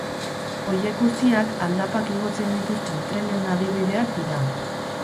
Horiek guztiak aldapak igotzen dituzten trenen adibideak dira.